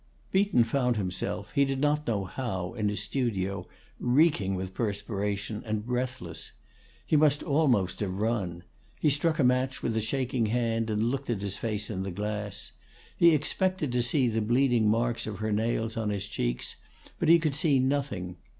Beaton found himself, he did not know how, in his studio, reeking with perspiration and breathless. He must almost have run. He struck a match with a shaking hand, and looked at his face in the glass. He expected to see the bleeding marks of her nails on his cheeks, but he could see nothing.